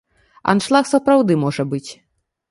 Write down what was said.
Аншлаг сапраўды можа быць.